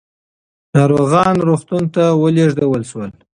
ناروغان روغتون ته ولېږدول شول.